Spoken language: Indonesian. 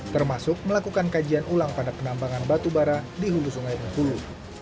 termasuk melakukan kajian ulang pada penambangan batu bara di hulu sungai bungkulu